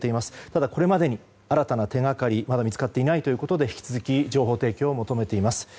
ただ、これまでに新たな手掛かり、まだ見つかっていないということで引き続き情報提供を求めています。